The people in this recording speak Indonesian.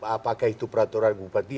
apakah itu peraturan bupati